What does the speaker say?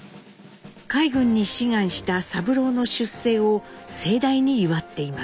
海軍に志願した三郎の出征を盛大に祝っています。